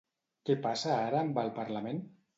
Què passa ara amb el Parlament?